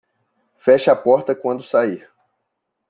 Feche a porta quando sair